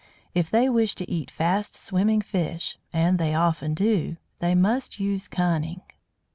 If they wish to eat fast swimming fish and they often do they must use cunning.